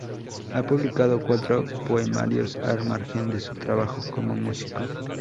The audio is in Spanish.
Ha publicado cuatro poemarios al margen de su trabajo como músico.